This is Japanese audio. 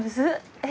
えっ